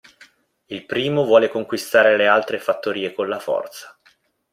Il primo vuole conquistare le altre fattorie con la forza.